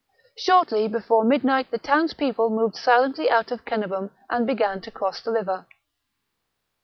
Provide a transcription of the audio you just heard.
Shortly before midnight the townspeople moved silently out of Cenabum and began to cross the river.